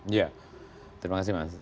iya terima kasih mas